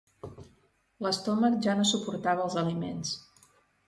L'estómac ja no suportava els aliments.